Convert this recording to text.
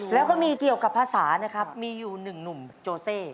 แล้วก็มีเกี่ยวกับภาษานะครับมีอยู่หนึ่งหนุ่มโจเซ